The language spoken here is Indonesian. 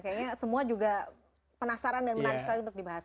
kayaknya semua juga penasaran dan menarik sekali untuk dibahas